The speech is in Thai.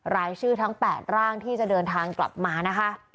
รายชื่อทั้ง๘ร่างที่จะเดินทางกลับมานะคะ